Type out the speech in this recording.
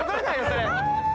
それ。